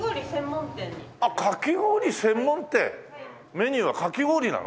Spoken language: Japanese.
メニューはかき氷なの？